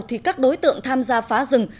thì các đối tượng tham gia phá rừng